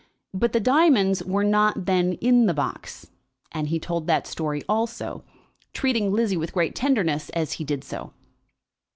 But the diamonds were not then in the box, and he told that story also, treating Lizzie with great tenderness as he did so.